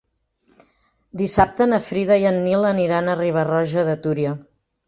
Dissabte na Frida i en Nil aniran a Riba-roja de Túria.